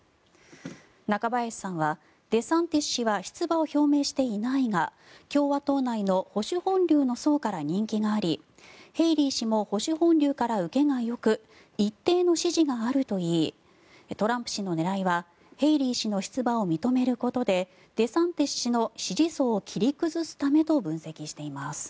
中林さんは、デサンティス氏は出馬を表明していないが共和党内の保守本流の層から人気がありヘイリー氏も保守本流から受けがよく一定の支持があるといいトランプ氏の狙いはヘイリー氏の出馬を認めることでデサンティス氏の支持層を切り崩すためとしています。